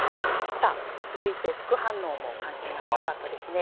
続いて、副反応も関心が高かったですね。